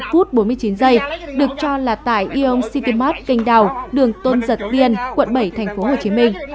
một phút bốn mươi chín giây được cho là tại yom city mart kênh đào đường tôn giật tiên quận bảy thành phố hồ chí minh